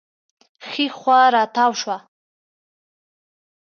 ښي خوا راتاو شه